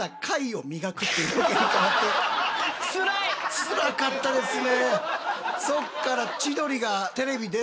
ツラかったですね。